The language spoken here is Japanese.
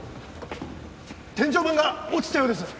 天井板が落ちたようです